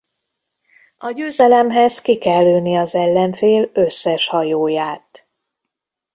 A győzelemhez ki kell lőni az ellenfél összes hajóját.